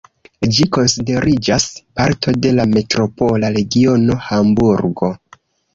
Ĝi konsideriĝas parto de la metropola regiono Hamburgo.